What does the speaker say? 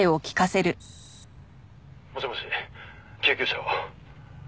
「もしもし救急車を」